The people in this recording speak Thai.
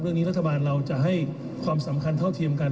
รัฐบาลเราจะให้ความสำคัญเท่าเทียมกัน